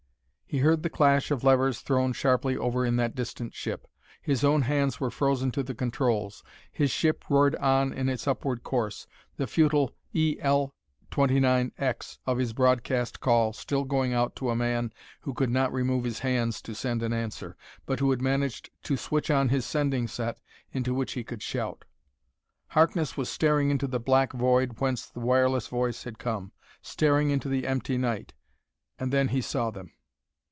He heard the clash of levers thrown sharply over in that distant ship; his own hands were frozen to the controls. His ship roared on in its upward course, the futile "E L 29 X" of his broadcast call still going out to a man who could not remove his hands to send an answer, but who had managed to switch on his sending set into which he could shout. Harkness was staring into the black void whence the wireless voice had come staring into the empty night. And then he saw them.